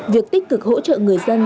việc tích cực hỗ trợ người dân